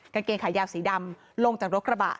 กางเกงขายาวสีดำลงจากรถกระบะ